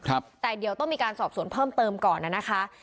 ครับแต่เดี๋ยวต้องมีการสอบสวนเพิ่มเติมก่อนน่ะนะคะ